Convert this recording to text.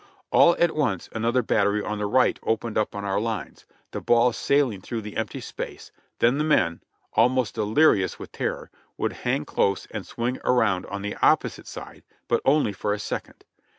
All at once another battery on the right opened up on our lines, the balls sailing through the empty space, then the men, almost delirious with terror, would hang close and swing around on the opposite side, but only for a second.